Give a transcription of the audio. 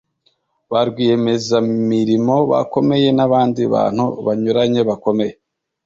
ba rwiyemezamirimo bakomeye n’abandi bantu banyuranye bakomeye